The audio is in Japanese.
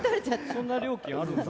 そんな料金あるんだ。